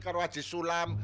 kalau hadis sulam